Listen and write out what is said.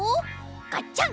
ガチャン！